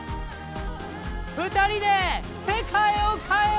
二人で世界を変えよう！